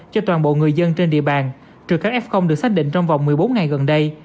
cho toàn bộ người dân trên địa bàn trừ các f được xác định trong vòng một mươi bốn ngày gần đây